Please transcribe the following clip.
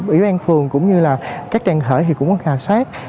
ủy ban phường cũng như các trang khởi cũng có khả sát